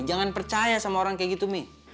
jangan percaya sama orang kayak gitu nih